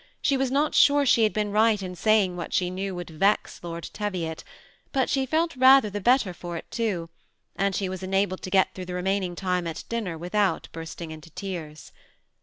She was not sure she had been right inlaying what she knew would Tex Lord Teviot ; but she felt rather the better for it too, and she was enabled to get through the reniaining time at dinner without bursting into tears.